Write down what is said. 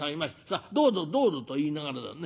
さあどうぞどうぞ』と言いながらだね